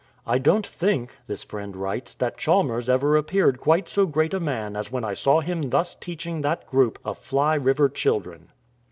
" I don't think," this friend writes, " that Chalmers ever appeared quite so great a man as when I saw him thus teaching that group of Fly River children."